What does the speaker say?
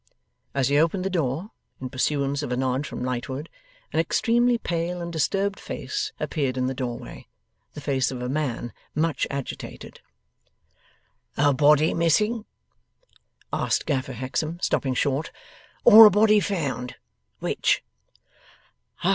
As he opened the door, in pursuance of a nod from Lightwood, an extremely pale and disturbed face appeared in the doorway the face of a man much agitated. 'A body missing?' asked Gaffer Hexam, stopping short; 'or a body found? Which?